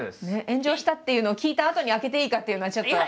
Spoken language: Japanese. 炎上したっていうのを聞いたあとに開けていいかっていうのはちょっと。